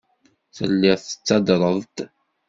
Telliḍ tettadreḍ-d.